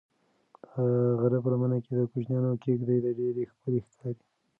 د غره په لمنه کې د کوچیانو کيږدۍ ډېرې ښکلي ښکاري.